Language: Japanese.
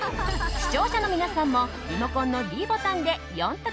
視聴者の皆さんもリモコンのｄボタンで４択